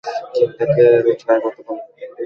কেউ তোকে রোজগার করতে বলেনি।